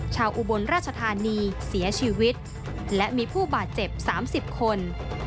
อุบลราชธานีเสียชีวิตและมีผู้บาดเจ็บ๓๐คน